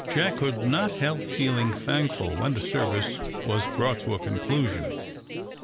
Jack could not help feeling thankful when the service was brought to a conclusion.